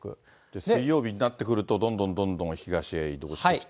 水曜日になってくるとどんどんどんどん東へ移動してきて。